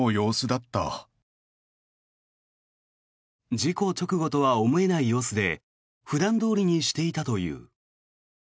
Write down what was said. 事故直後とは思えない様子で普段どおりにしていたという。